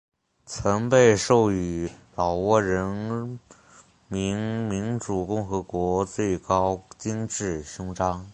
曾被授予老挝人民民主共和国最高金质勋章。